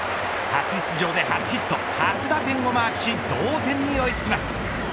初出場で初ヒット初打点をマークし同点に追いつきます。